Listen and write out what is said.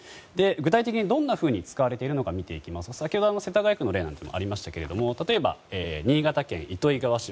具体的にどんなふうに使われているか見ていきますと先ほどの世田谷区の例もありましたが例えば、新潟県糸魚川市。